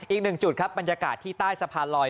อีกหนึ่งจุดครับบรรยากาศที่ใต้สะพานลอย